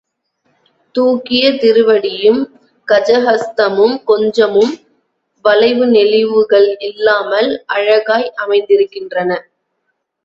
தூக்கிய திருவடியும் கஜஹஸ்தமும் கொஞ்சமும் வளைவு நெளிவுகள் இல்லாமல் அழகாய் அமைந்திருக்கின்றன.